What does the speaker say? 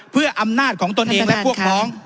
เพื่ออำนาจของตนเองและพวกพ้อง